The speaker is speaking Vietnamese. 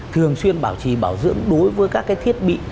thường xuyên bảo trì bảo dưỡng đối với các thiết bị